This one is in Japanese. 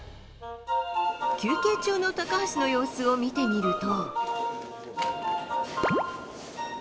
休憩中の高橋の様子を見てみると。